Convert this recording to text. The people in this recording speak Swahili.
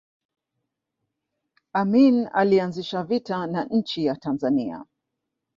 amin alianzisha vita na nchi ya tanzania